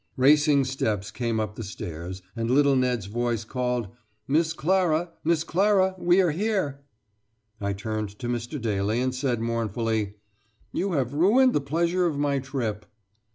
Racing steps came up the stairs, and little Ned's voice called: "Miss Clara. Miss Clara, We are here!" I turned to Mr. Daly and said mournfully: "You have ruined the pleasure of my trip."